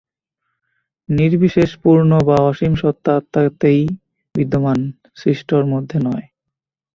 নির্বিশেষ পূর্ণ বা অসীম সত্তা আত্মাতেই বিদ্যমান, সৃষ্টর মধ্যে নয়।